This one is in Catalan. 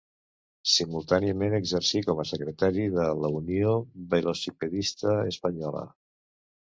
Simultàniament exercí com a secretari de la Unió Velocipedista Espanyola.